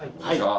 はい！